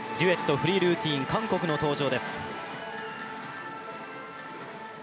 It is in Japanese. フリールーティン、韓国の登場です。